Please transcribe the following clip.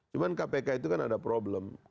cuma kpk itu kan ada problem